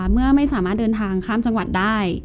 เมื่อไม่สามารถเดินทางข้ามจังหวัดได้